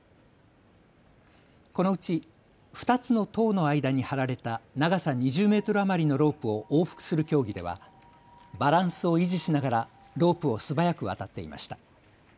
このうち２つの塔の間に張られた長さ２０メートル余りのロープを往復する競技ではバランスを維持しながらロープを素早く渡っていました。